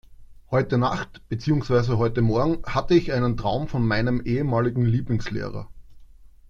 Heute Nacht, beziehungsweise heute Morgen hatte ich einen Traum von meinem ehemaligen Lieblingslehrer.